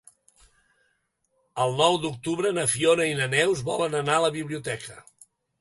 El nou d'octubre na Fiona i na Neus volen anar a la biblioteca.